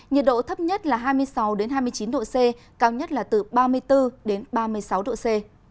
nhiệt độ thấp nhất là hai mươi sáu hai mươi chín độ c cao nhất là từ ba mươi bốn đến ba mươi sáu độ c